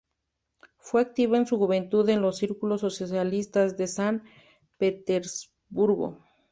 Fue activa en su juventud en los círculos socialistas de San Petersburgo.